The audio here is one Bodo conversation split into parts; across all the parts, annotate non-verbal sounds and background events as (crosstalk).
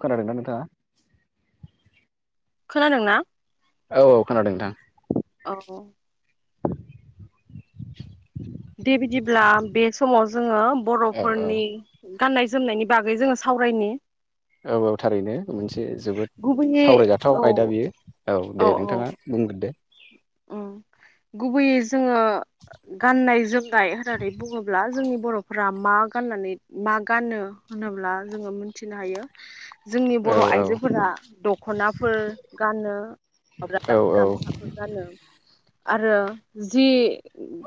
खोनादोंना नोंथाङा? खोनादोंना। औ औ खोनादों नोंथां। औ (inaudible) दे बिदिब्ला बे समाव जोङो औ औ बर'फोरनि गाननाय जोमनायनि बागै जोङो सावरायनि। औ औ थारैनो मोनसे जोबोद गुबैयै सावरायजाथाव औ आयदा बियो औ दे नोंथाङा बुंग्रो दे। ओम गुबुबैयै जोङो गाननाय जोमनाय होननानै बुङोब्ला जोंनि बर'फोरा मा गाननानै मा गानो होनोब्ला जोङो मोनथिनो हायो । जोंनि औ बर' औ आइजोफोरा दख'नाफोर गानो औ माबा औ गामसाफोर गानो आरो जि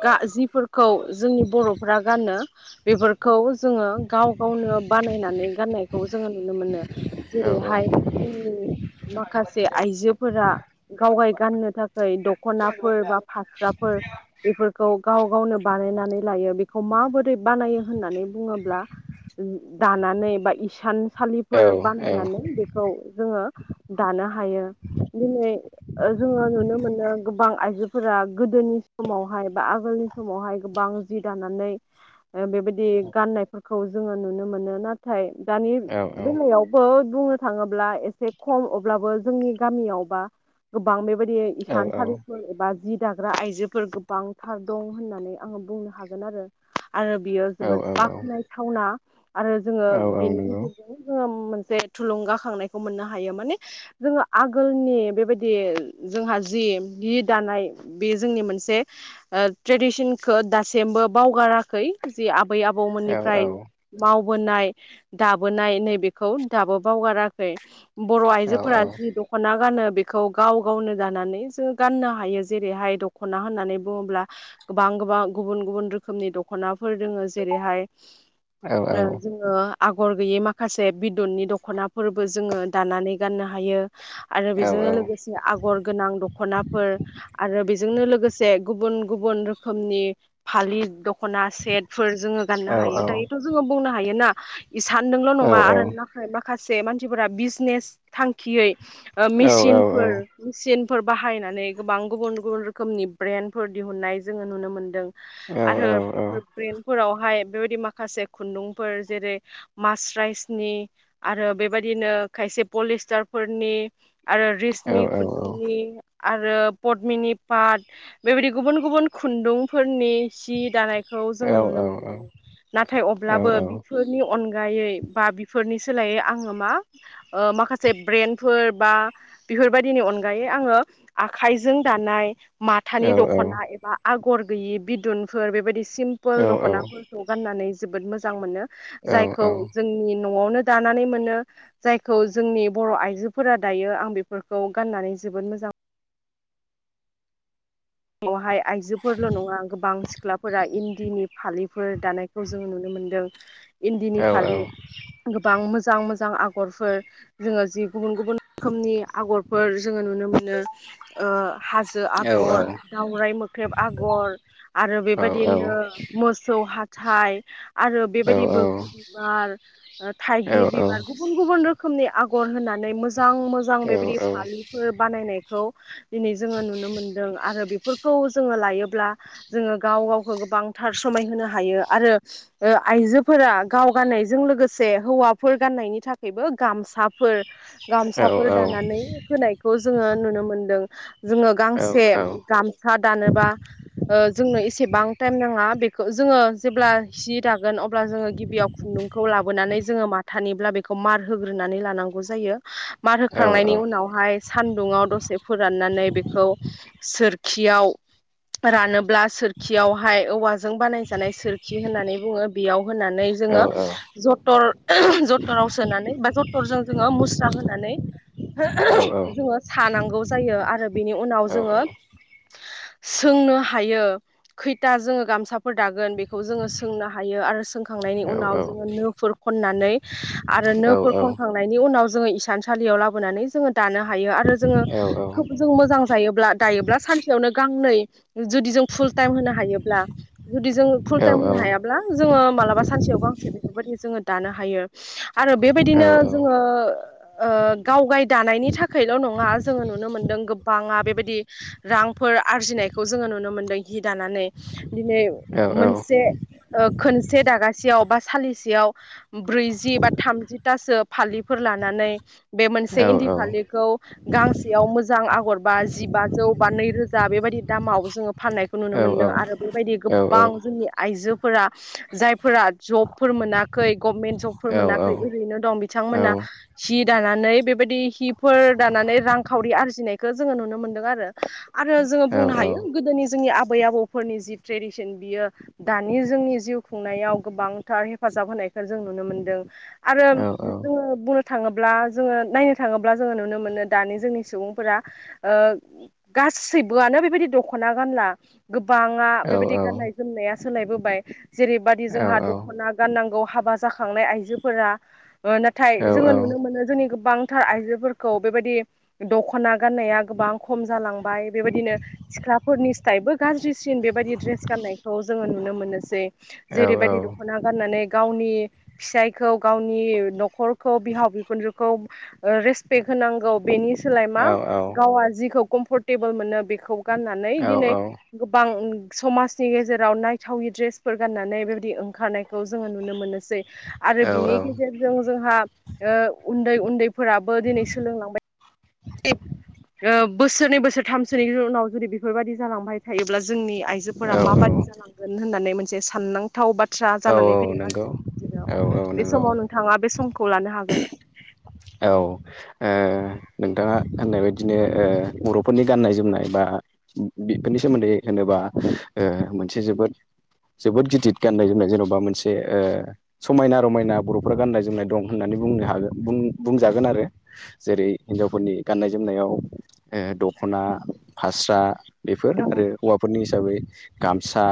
गा जिफोरखौ जोंनि बर'फ्रा गानो । बेफोरखौ जोङो गाव गावनो बानायनानै गाननायखौ जोङो नुनो मोनो । औ जेरैहाय जोंनि माखासे आइजोफोरा गावगाय गाननो थाखाय दख'नाफोर बा फास्राफोर बेफोरखौ गाव गावनो बानायनानै लायो बेखौ माबोरै बानाय होननानै बुङोब्ला ओ दानानै बा इसान औ सालिफोर औ बानायनानै बेखौ जोङो दानो हायो । दिनै जोङो नुनो । बिदिनो गोबां आइजोफोरा गोदोनि समावहाय बा आगोलनि समावहाय गोबां जि दानानै बेबायदि गाननायफोरखौ जोङो नुनो मोनो नाथाय दानि औ बेलायावबो बुंनो थाङोब्ला एसे खम अब्लाबो जोंनि गामियाव बा गोबां बेबायदि औ सानथालिफोर एबा जिब जाग्रा आइजोफोर गोबांथार दं होननानै आङो बुंनो हागोन आरो । आरो बियो औ जोबोद औ बाख्नायथावना । आरो जोङो औ औ बेनि नंगौ गेजेरजों जोङो मोनसे थुलुंगाखांनायखौ मोननो हायो माने जोङो आगोलनि बेबायदि जोंहा जि बि दानाय बे जोंनि मोनसे ओ ट्रेडिसनखौ दासिमबो बावगार थाराखै जि आबै औ आबौमोननिफ्राय औ माव बोनाय दाबोनाय नैबेखौ दाबो बावगाराखै बर' औ आइजोफोरा जि दख'ना गानो बेखौ गाव गावनो दानानै जों गाननो हायो जेरैहाय दख'ना होननानै बुङोब्ला गोबां गोबां गुबुन गुबुन रोखोमनि द दख'नाफोर दोङो जेरैहाय औ औ जोङो आगर गैयै माखासे बिदननि दख'नाफोरबो जोङो दानानै गाननो हायो आरो बेजोंनो लोगोसे आगर गोनां दख दखनाफोर आरो बेजोंनो लोगोसे गुबुन गुबुन रोखोमनि फालि द खना सेटफोर जोङो गाननो हायो दायोथ' जोङो बुंनो हायो ना इसानदोंल' नङा आरो नाथाय माखासे मानसिफोरा बिजनेस थांखि खियै मिसिनफोर मिसिन फोर बाहायनानै गोबां गुबुन गुबुन रोखोमनि ब्रेन्डफोर दिहुननाय जोङो नुनो मोन्दों आरो बेफोर ब्रेन फोरावहाय बेबायदि माखसे खुन्दुंफोर जेरै मास्रायसनि आरो बेबायदिनो ख से फलिसथारफोरनि आरो रिसनि खुन्दुं आरो पदमिनि पाट बेबायदि गुबुन गुबुन खुन्दुंफोरनि सि दानायखौ जोङो नुनो मोनदों नाथाय अब्लाबो बिफोरनि अनगायै बा बिफोरनि सोलायै आङो मा माखासे ब्रेन्फोर बा बेफोरबायदिनि अनग आङो आखाइजों दानाय माथानि दखना एबा आगर गैयि बिदुनफोर बेबायदि सिम्पोल दख'नाफोरखौ गाननानै जोबोद मोजां मोनो। जायखौ जोंनि न'आवनो दानानै मोनो जायखौ जोंनि बर' आइजोफोरा दायो आं बेफोरखौ गाननानै जायो। जोबोद मोजां। समावहाय आइजोफोरल' नङा गोबां सिख्लाफोरा इन्दिनि फालिफोर दानायखौ जोङो नुनो मोनो। फ गोबां मो मोजां मोजां आगरफोर जोङो जि गुबुन गुबुन रोखोमनि आगरफोर जोङो नुनो मोनो। हाजो औ औ आगर औ दावराइ मोख्रेब आगर आरो औ बेबायदिनो मोसौ हाथाइ आरो बेबायदि नंगौ बग्लि बिबार थाइगिर औ बिबार गुबुन गुबुन रोखोम रोखोमनि आगर होनानै मोजां मोजां बेबायदि फालिफोर बानायनायखौ दिनै जोङो नुनो मोनदों आरो बे फोरखौ जोङो लायोब्ला जोङो गाव गावखौ गोबांथार समायहोनो हायो आरो ओ आइजोफोरा गाव गाननायजों लोगोसे हौवाफोर गाननायनि थाखायबो गामसाफोर गामसाफोर दानानै होनायखौ जोङो नुनो मोनदों जोङो गांसे गामसा दानोबा। जोंनो एसेबां टाइम नाङा बेखौ जोङो जेब्ला सि दागोन अब्ला जोङो गिबियाव खु दुंखौ लाबोनानै जोङो माथानिब्ला बेखौ मार होग्रोनानै लानांगौ जायो। मार होखांनायनि उनावहाय सान्दुंङाव दसे फोराननानै बेखौ सोर खियाव रानोब्ला सोरखियावहाय औव जों बानाय जानाय सोरखि होननानै बुङो बेयाव होननानै जोङो जथर जथराव सोनानै बा जथरजों जोङो मुस्रा होनानै जोङो सानांगौ जायो आरो बेनि उनाव जोङो सोंनो हायो खैथा जोङो गामसाफोर दागोन बे जों सोंनो हायो आरो सोंखांनायनि उनाव जोङो नो खनानै आरो नो खांनायनि उनाव जोङो इसानसालियाव लाबोनानै जोङो दानो हायो आरो जोङो खोब जों मोजां जायोब्ला दायोब्ला सानसेयावनो गांनै जुदि जों फुल टाइम होनो हायोब्ला जुदि जों फुल टाइम होनो हायाब्ला जोङो मालाबा सानसेयाव गां फांसे बेफोरबायदि जोङो दानो हायो। आरो बेबायदिनो जोङो गावगाय दानायनि थाखायल' नङा जोङो नुनो मोनदों। गोबाङा बेबायदि रांफोर आरजिनायखौ जोङो नुनो मोनदों हि दानानै दिनै मोनसे खोनसे दागासेयाव बा सालिसेयाव ब्रैजि बा थामजिथासो फालिफोर लानानै बे मोनसे इन्दि फालिखौ गांसेयाव मोजां आगरबा जिबा नैरोजा बेबायदि दामाव जोङो फाननायखौ नुनो मोनदों आरो बेबायदि गोबां जोंनि आइजोफोरा जाय फोर जबफोर मोनाखै गभमेन्ट जबफोर मोनाखै ओरैनो दं बिथांमोना सित दानानै बेबायदि हिफोर दानानै रांखावरि आरजिनायखौ जोङो नुनो मोनदों आरो आरो जोङो बुंनो हायो गोदोनि जोंनि आब आबै आबौफोरनि जि ट्रेडिसन बियो दानि जोंनि जिउ खुंनायाव गोबांथार हेफाजाब होनाय जों नुनो मोनदों आरो जोङो बुं थाङोब्ला जोङो नायनो थाङोब्ला जोङो नुनो मोनो दानि जोंनि सुबुंफोरा गासैबोआनो बेबायदि दख'ना गानला गोबाङा बेबायदि गाननाय जोमनाया सोलायबोबाय जेरैबाददि जोंहा दख'ना गाननांगौ हाबा जाखांनाय आइजोफोरा नाथाय जोङो नुनो मोनो जोंनि गोबां थार आइजोफोरखौ बेबायदि दख'ना गाननाया गोबां खम जालां बेबायदिनो सिख्लाफोरनि सिबो गाज्रिसिन बेबायदि देस गाननायखौ जोङो नुनो मोनो। सै जेरैबायदि दख'ना गाननानै गावनि फिसाइखौ गावनि न'खरखौ बिहाव बिखुनजोखौ रेसपेक्ट हो नांगौ बेनि सोलाय मा गावा जिखौ कम्फर्टेबोल मोनो बेखौ गाननानै दिनै गोबां समाजनि गेजेराव नायथावि ड्रेसफोर गाननानै बेबायदि ओंखारनायखौ जोङो नुनो मोनो। सै आरो बिनि गेजेरजों जोंहा उन्दै उन्दैफोराबो दिनै सोलोंलांबाय। बोसोरनै बोसोरथामसोनि उनाव जुदि बेफोरबायदि जालांबाय थायोब्ला जोंनि आइजोफोरा माबादि जालांगोन होननानै मोनसे साननां थाव बाथ्रा जानानै फैदों आरो जेराव औ बे नंगौ समाव नोंथाङा बे समखौ लानो हागोन। (inaudible) औ नोंथाङा होननाय बायदिनो बर'फोरनि गाननाय जोमनाय बा बेफोरनि सोमोन्दै होनोबा मोनसे जोबोद जोबोद गिदिर गाननाय जोमनाय जेन'बा मोनसे समायना रमायना बर'फ्रा गाननाय जोमनाय दं होननानै बुंनो हागोन बुं बुंजागोन आरो जेरै हिनजावफोरनि गाननाय जोमनायाव दख'ना फास्रा बेफोर आरो हौवाफोरनि हिसाबै गामसा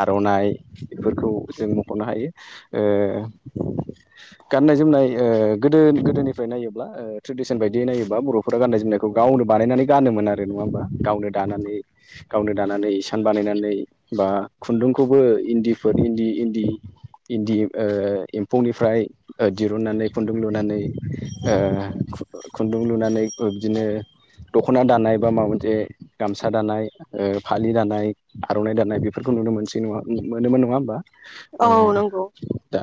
आर'नाइ बेफोरखौ जों मख'नो हायो गाननाय जोमनाय गोदो गोदोनिफ्राय नायोब्ला ट्रेडिसन बायदियै नायोबा बर'फोरा गाननाय जोमनायखौ गावनो बानायनानै गानोमोन आरो नङा होमबा गाव नो दानानै गावनो दानानै इसान बानायनानै बा खुन्दुंखौबो इन्दिफोर इन्दि इन्दि इन्दि एम्फौनिफ्राय दिरुननानै खुन्दुं लुनानै खुन्दुं लुनानै बिब्दिनो दख'ना दानाय बा माबा मोनसे गामसा दानाय फालि दानाय आर'नाइ दानाय बेफोरखौ नुनो मोनसै नङा मोनोमोन नङा होमबा औ नंगौ दा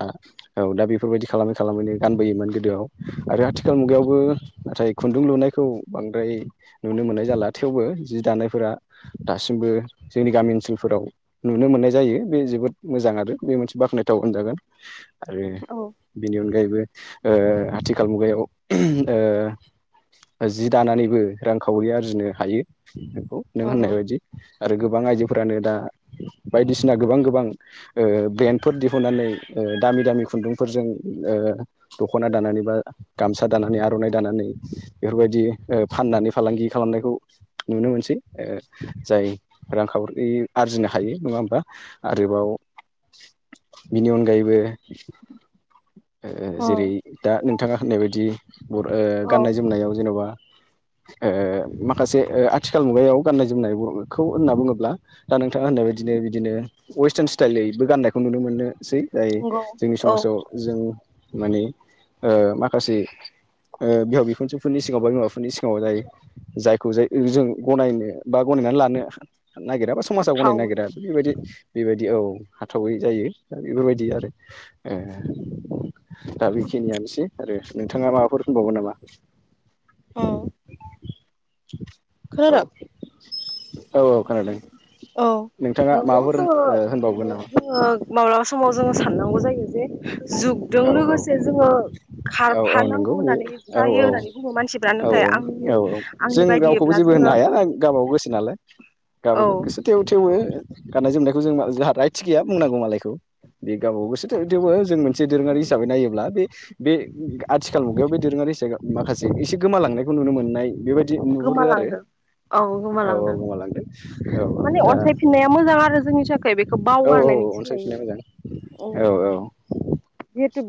औ दा बेफोरबायदि खालामै खालामैनो गानबोयोमोन गोदोआव आरो आथिखाल मुगायावबो नाथाय खुन्दुं लुनायखौ बांद्राय नुनो मोननाय जाला थेवबो जि दानायफोरा दासिमबो जोंनि गामि ओनसोलफोराव नुनो मोननाय जायो बे जोबोद मोजां आरो बे मोनसे बाख्नायथाव होनजागोन आरो औ बेनि अनगायैबो आथिखाल मुगायाव जि दानानैबो रांखावरि आरजिनो हायो बेखौ नों होननाय उम बायदि आरो गोबां आइजोफोरानो दा बायदिसिना गोबां गोबां ब्रेन्डफोर दिहुननानै दामि दामि खुन्दुंफोरजों दख'ना दानानै बा गामसा दानानै आर'नाइ दानानै बेफोरबायदि फाननानै फालांगि खालामनायखौ नुनो मोनसै जाय रांखावरि आरजिनो हायो नङा होमबा आरोबाव बेनि अनगायैबो औ जेरै दा नोंथाङा होननाय बायदि गाननाय जोमनायाव जेन'बा माखासे आथिखाल मुगायाव गान्नाय जोमनायखौ होनना बुङोब्ला दा नोंथाङा होननाय बादिनो बिदिनो वेस्टार्न स्टाइलैबो गान्नायखौ नुनो मोनो सै जाय नंगौ जोंनि औ समाजाव जों माने ओ माखासे बिहाव बिखुनजोफोरनि सिगाङाव बा बिमाफोरनि सिगाङाव जाय जायखौ जाय जों गनायनो बा गनायनानै लानो नागिरा बा समाजाव गनायनो हाथावै नागिरा आरो बेबायदि बेबायदि औ हाथावै जायो दा बेफोरबायदि आरो दा बेखिनियानोसै आरो नोंथाङा माबाफोर होनबावगोन नामा औ औ औ औ खोनादों औ नोंथाङा नंगौ माबाफोर जोङो ओ होनबावगोन नामा जोङो माब्लाबा स माव जोङो साननांगौ जायो जे जुगजों औ औ लोगोसे जोङो औ औ नंगौ खारफानांगौ होननानै औ जायो होननानै बुङो मानसिफ्रा औ नाथाय आंनि औ जों आंनि रावखौबो बायदियैब्ला जेबो जोङो होननो हाया गावबागाव गोसो नालाय औ गाबाव गोसो थेव थेवो गाननाय जोमनायखौ जों जोंहा राइटस गैया बुंनांगौ मालायखौ बे गावब गाव गोसो थेवबो जों मोनसे दोरोङारि हिसाबै नायोब्ला बे बे आथिखाल मुगायाव बे दोरोङारि हिसाबै माखासे एसे गोमालांनायखौ नुनो मोननाय बेबायदि नुहुरो आरो गोमालांदों औ औ औ गोमालांदों गोमालांदों औ माने दा अन्थाइ फिननाया मोजां आरो जोंनि थाखाय बेखौ औ बावगारनाय औ अनसायफिननाया मोजां नोसलायो औ औ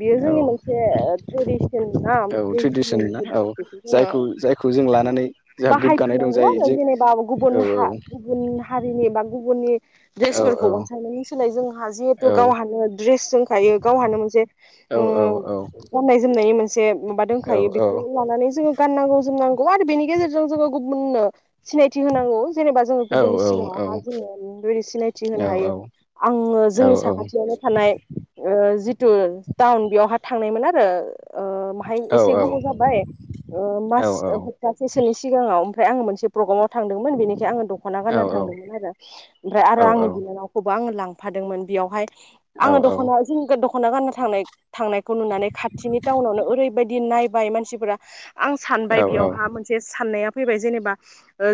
बियो औ जोंनि मोनसे ट्रेडिसन ना औ ट्रेडिसननि ट्रेडिसन ना मोनसे औ बेखौ जोङो जायखौ जायखौ जों लानानै जोंहा गोग्गानाय दं बाहायफिननांगौ जाय आरो जों जेनेबा गुबुन हा गुबुन हारिनि बा गुबुननि ड्रेसफोरखौ अनसायनायनि सोलाय जोंहा जिहेथु गावहानो ड्रेस दोंखायो गावहानो मोनसे ओम गाननाय जोमनायनि मोनसे माबा दोनखायो बेखौ लानानै जोङो गाननांगौ जोमनांगौ आरो बेनि गेजेरजों जोङो गुबुननो सिनायथि होनांगौ जेनेबा जोङो गुबुननि सिगाङावहा जोङो बेदि सिनायथि होनो हायो आङो जोंनि साखाथियावनो थानाय जिथु टाउन बेयाव हा थांनाय मोन आरो ओ एसे गोबाव जाबाय ओ मास खबथासेसो ओमफ्राय आङो मोनसे प्रग्रामाव थांदोंमोन बेखाय आङो ड दख'ना गानना थांदोंमोन आरो ओमफ्राय आरो आंनि बिनानावखौबो आङो लांफादोंमोन बेयावहाय आङो दख'ना जों दख'ना गानना थांनाय थांनायखौ नुनानै खाथिनि उनावनो ओरैबायाददि बि नायबाय मानसिफोरा आं सानबाय बेयावहा मोनसे साननाया फैबाय जेनेबा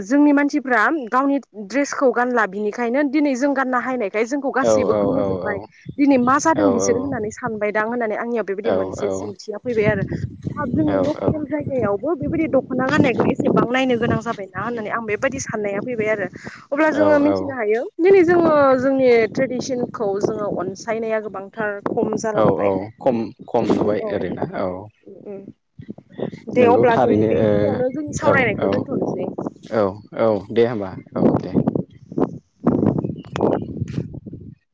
जोंनि मानसिफ्रा गावनि ड्रेसखौ गानला बिनिखायनो दिनै जों गारनो हायनाय बेखाय जोंखौ गासैबो गोमोजोबबाय दिनै मा जादों बिसोरो होननानै सानबाय दां होननानै आंनियाव बेबायदि मोनसे सोंथिया फैबाय आरोाब जोंनि लकेल जायगायावबो बेबायदि गाननायखौ एसेबां नायनो गोनां जाबायना होननानै आं बेबायदि साननाया फैबाय आरो अब्ला जोङो मिथिनो हायो दिनै जोङो जोंनि ट्रेडिसन खौ जोङो अनसायनाया गोबांथार खम औ औ जालांबाय खम खम नुबाय औ ओर ना औ दे नोंगौ अब्ला जोङो थारैनो बेखिनियावनो जोंनि ओ सावरायनायखौ ओ औ औ दोनथ'नोसै औ औ औ दे होमबा औ दे (inaudible)